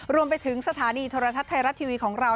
รวมไปถึงสถานีโทรทัศน์ไทยรัฐทีวีของเรา